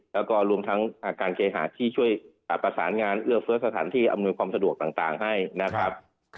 แล้วก็รวมทั้งอาการเคหาที่ช่วยประสานงานเอื้อเฟ้อสถานที่อำนวยความสะดวกต่างให้นะครับ